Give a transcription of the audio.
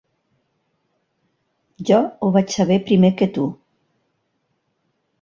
Jo ho vaig saber primer que tu.